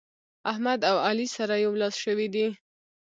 احمد او علي سره يو لاس شوي دي.